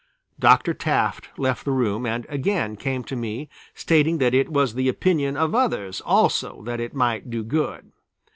Dr. Taft left the room, and again came to me stating that it was the opinion of others also that it might do good.